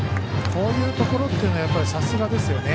こういうところというのがさすがですよね。